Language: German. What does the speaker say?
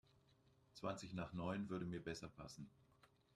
Zwanzig nach neun würde mir besser passen.